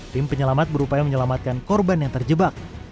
tim penyelamat berupaya menyelamatkan korban yang terjebak